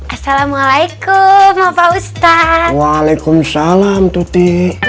assalamualaikum bapak ustaz waalaikumsalam tuti